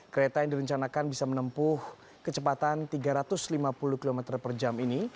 kereta yang direncanakan bisa menempuh kecepatan tiga ratus lima puluh km per jam ini